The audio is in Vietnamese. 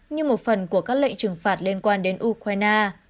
như một phần của các lệnh trừng phạt liên quan đến ukraine